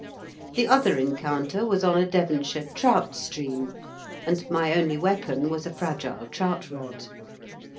The other encounter was on a Devonshire trout stream, and my only weapon was a fragile trout rod.